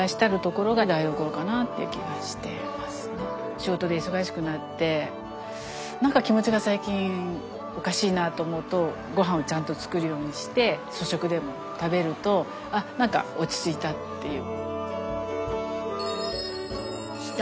仕事で忙しくなって何か気持ちが最近おかしいなと思うとごはんをちゃんと作るようにして粗食でも食べると何か落ち着いたっていう。